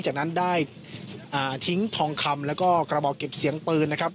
จากนั้นได้ทิ้งทองคำแล้วก็กระบอกเก็บเสียงปืนนะครับ